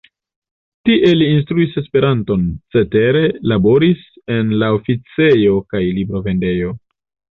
Tie li instruis Esperanton, cetere laboris en la oficejo kaj librovendejo.